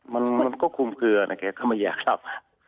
มันก็คุมเคลือนะแกก็ไม่อยากรับ